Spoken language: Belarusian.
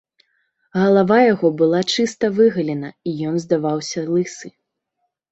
Галава яго была чыста выгалена, і ён здаваўся лысы.